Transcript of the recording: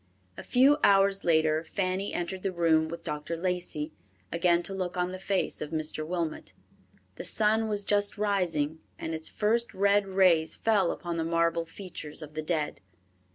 A few hours later, Fanny entered the room with Dr. Lacey, again to look on the face of Mr. Wilmot. The sun was just rising, and its first red rays fell upon the marble features of the dead.